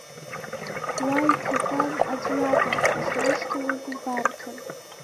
Уа иҭатәаз аӡә иакәын, дышрышьҭалоз убарҭан.